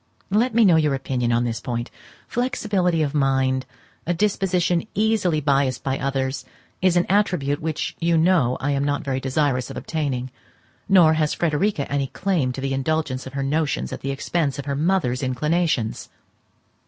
Let me know your opinion on this point. Flexibility of mind, a disposition easily biassed by others, is an attribute which you know I am not very desirous of obtaining; nor has Frederica any claim to the indulgence of her notions at the expense of her mother's inclinations.